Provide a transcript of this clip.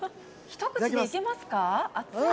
一口でいけますか？